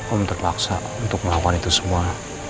om terpaksa untuk melakukan itu semua